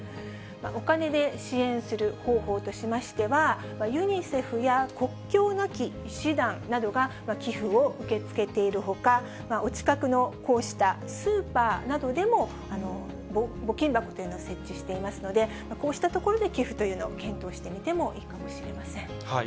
お金で支援する方法としましては、ユニセフや国境なき医師団などが、寄付を受け付けているほか、お近くのこうしたスーパーなどでも募金箱というのを設置していますので、こうした所で寄付というのを検討してみてもいいかもしれません。